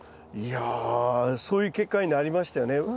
いやそういう結果になりましたよね。